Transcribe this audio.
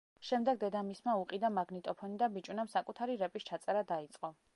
შემდეგ დედამისმა უყიდა მაგნიტოფონი და ბიჭუნამ საკუთარი რეპის ჩაწერა დაიწყო.